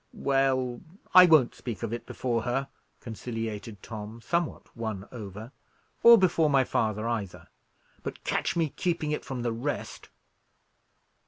"Well, I won't speak of it before her," conciliated Tom, somewhat won over, "or before my father, either; but catch me keeping it from the rest."